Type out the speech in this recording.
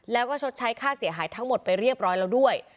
แล้วก็ชดใช้ค่าเสียหายทั้งหมดไปเรียบร้อยแล้วด้วย